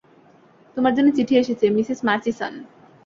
তোমার জন্য চিঠি এসেছে, মিসেস মার্চিসন।